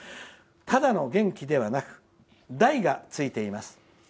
ただの元気ではなく「大」がついています。